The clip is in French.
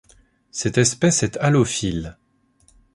Cette espèce est halophile.